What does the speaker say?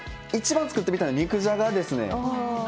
一番作ってみたいの肉じゃがですね。